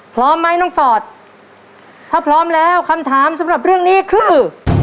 พร้อมไหมน้องฟอร์ดถ้าพร้อมแล้วคำถามสำหรับเรื่องนี้คือ